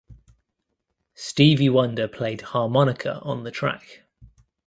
Stevie Wonder played harmonica on the track.